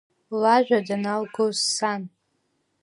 Лажәа даналгоз сан…